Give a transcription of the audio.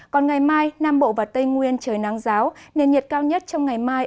còn ngày mai nam bộ và tây nguyên trời nắng giáo nền nhiệt cao nhất trong ngày mai